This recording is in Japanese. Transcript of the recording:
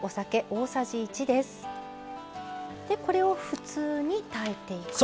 これを普通に炊いていくと。